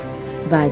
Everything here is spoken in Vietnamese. là lực lượng của đảng